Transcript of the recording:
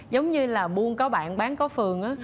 giống như là buôn có bạn bán có phường